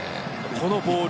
このボール。